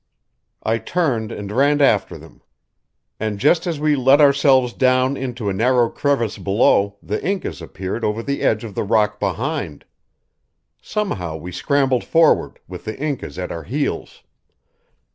I turned and ran after them, and just as we let ourselves down into a narrow crevice below the Incas appeared over the edge of the rock behind. Somehow we scrambled forward, with the Incas at our heels.